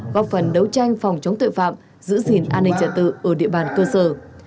góp phần đấu tranh phòng chống tội phạm giữ gìn an ninh trả tự ở địa bàn cơ sở